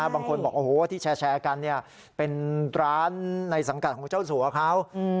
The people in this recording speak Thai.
บางคนบอกโอ้โหที่แชร์กันเป็นร้านในสังกัดของเจ้าสัวเขา